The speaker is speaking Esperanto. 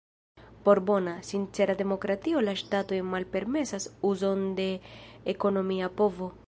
Por bona, sincera demokratio la ŝtatoj malpermesas uzon de ekonomia povo.